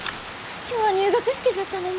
今日は入学式じゃったのに。